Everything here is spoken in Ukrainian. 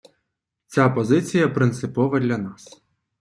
Ця позиція принципова для нас.